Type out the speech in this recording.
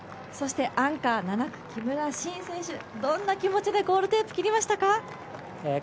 アンカー７区、木村慎選手、どんな気持ちでゴールテープ切りましたか？